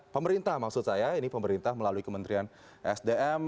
pemerintah maksud saya ini pemerintah melalui kementerian sdm